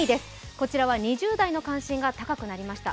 こちらは２０代の関心が高くなりました。